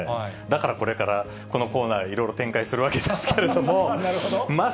だからこれから、このコーナー、いろいろ展開するわけですけれども。